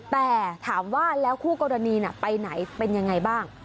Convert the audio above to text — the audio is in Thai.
แต่ถามว่าแล้วคู่กรณีไปไหนเป็นยังไงบ้าง